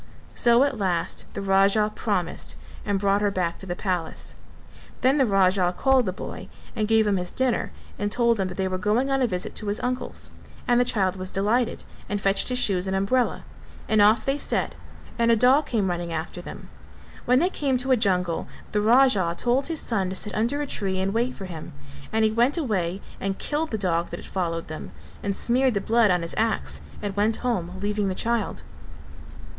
So at last the Raja promised and brought her back to the palace. Then the Raja called the boy and gave him his dinner and told him that they were going on a visit to his uncle's: and the child was delighted and fetched his shoes and umbrella, and off they set, and a dog came running after them. When they came to a jungle the Raja told his son to sit under a tree and wait for him, and he went away and killed the dog that had followed them and smeared the blood on his axe and went home, leaving the child.